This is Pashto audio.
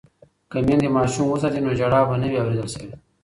که میندې ماشوم وساتي نو ژړا به نه وي اوریدل شوې.